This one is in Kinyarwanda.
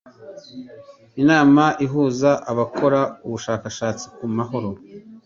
inama ihuza abakora ubushakashatsi ku mahoro